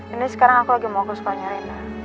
ini sekarang aku lagi mau ke sekolahnya rena